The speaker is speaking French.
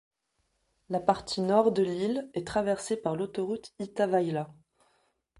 La partie nord de l'île est traversée par l'autoroute Itäväylä.